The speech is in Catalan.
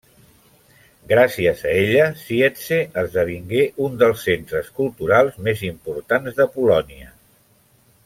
Gràcies a ella, Siedlce esdevingué un dels centres culturals més importants de Polònia.